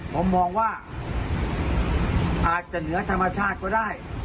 ผมมองว่าอาจจะเหนือธรรมชาติก็ได้